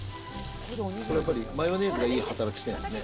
これ、やっぱりマヨネーズがいい働きしてるんですね。